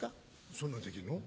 そんなんできるの？